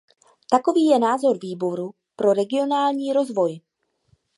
Takový je názor Výboru pro regionální rozvoj.